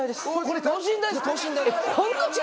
これ等身大？